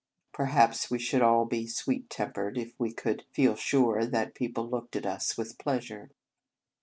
Perhaps we should all be sweet tempered if we could feel sure that people looked at us with pleasure.